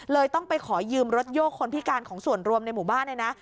ต้องไปขอยืมรถโยกคนพิการของส่วนรวมในหมู่บ้านเลยนะ